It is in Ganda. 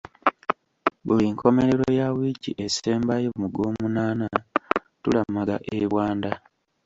Buli nkomerero ya wiiki esembayo mu Gwomunaana tulamaga e Bwanda.